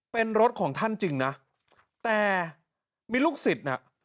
เป็นรถของท่านจริงนะแต่มีลูกศิษย์น่ะ